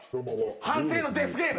反省のデスゲーム。